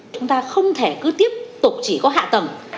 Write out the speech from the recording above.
chúng ta không thể cứ tiếp tục chỉ có hạ tầng